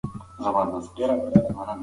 هغه سړی چې خبرونه لولي ډېر لایق دی.